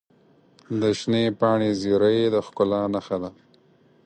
د شنې پاڼې زیرۍ د ښکلا نښه ده.